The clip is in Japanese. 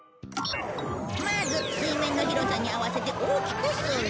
まず水面の広さに合わせて大きくする。